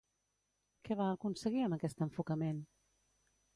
Què va aconseguir amb aquest enfocament?